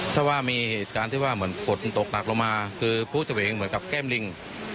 ถ้าว่ามีเหตุการณ์ที่ว่าเหมือนฝนตกหนักลงมาคือผู้เฉวงเหมือนกับแก้มลิง